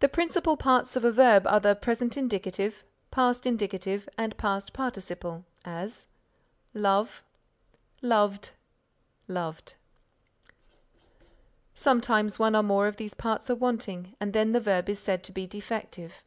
The principal parts of a verb are the Present Indicative, Past Indicative and Past Participle; as: Love Loved Loved Sometimes one or more of these parts are wanting, and then the verb is said to be defective.